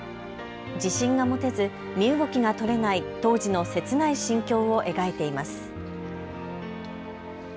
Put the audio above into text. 自信が持てず、身動きが取れない当時の切ない心境を描いています。